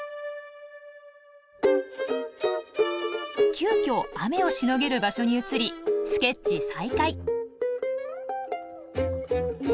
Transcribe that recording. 急きょ雨をしのげる場所に移りスケッチ再開。